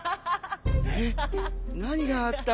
えっなにがあった？